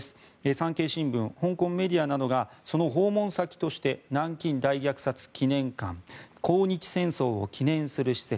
産経新聞、香港メディアなどがその訪問先として南京大虐殺記念館抗日戦争を記念する施設